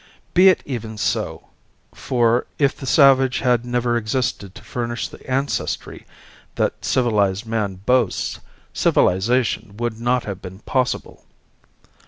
Be it even so; for, if the savage had never existed to furnish the ancestry that civilized man boasts, civilization would not have been possible.